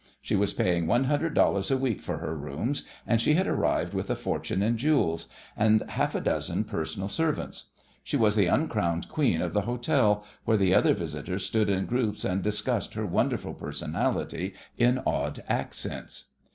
She was paying one hundred dollars a week for her rooms, and she had arrived with a fortune in jewels, and half a dozen personal servants. She was the uncrowned queen of the hotel, where the other visitors stood in groups and discussed her wonderful personality in awed accents.